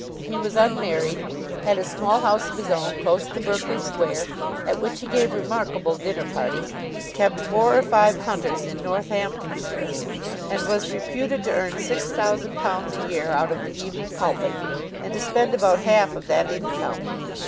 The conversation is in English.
He was unmarried, had a small house of his own close to Berkeley Square at which he gave remarkable dinner parties, kept four or five hunters in Northamptonshire, and was reputed to earn £6,000 a year out of the "Evening Pulpit" and to spend about half of that income.